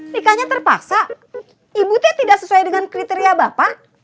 nikahnya terpaksa ibu teh tidak sesuai dengan kriteria bapak